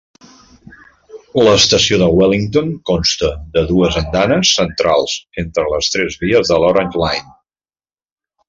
L'estació de Wellington consta de dues andanes centrals entre les tres vies de l'Orange Line.